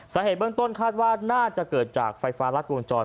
สาเหตุเบื้องต้นคาดว่าน่าจะเกิดจากไฟฟ้ารัดวงจร